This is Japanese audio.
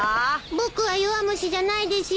僕は弱虫じゃないですよ。